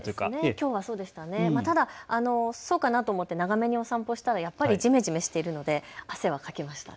きょうはそうかなと思って長めにお散歩したらやっぱりジメジメしているので汗はかきました。